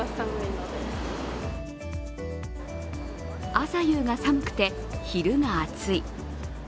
朝夕が寒くて、昼が暑い。